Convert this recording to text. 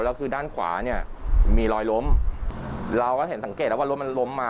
แล้วคือด้านขวาเนี่ยมีรอยล้มเราก็เห็นสังเกตแล้วว่ารถมันล้มมา